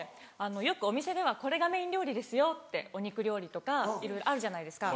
よくお店ではこれがメイン料理ですよってお肉料理とかいろいろあるじゃないですか。